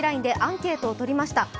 ＬＩＮＥでアンケートをとりました。